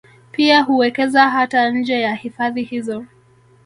Pia huwekeza hata nje ya hifadhi hizo